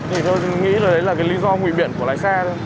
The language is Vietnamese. thì tôi nghĩ là lý do nguy biện của lái xe